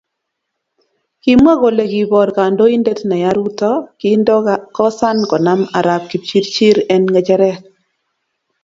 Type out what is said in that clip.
Kimwa kole kibor kandoindet neya Ruto kindakosan konam Arap Kipchirchir eng ngecheret